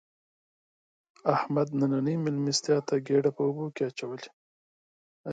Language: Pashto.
احمد نننۍ مېلمستیا ته ګېډه په اوبو کې اچولې ده.